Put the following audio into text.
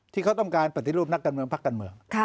ที่เขาต้องการปฏิรูปนักการเมืองพักการเมือง